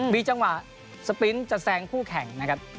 มีจังหวะสปรินท์จะแซงคู่แข่งนะครับ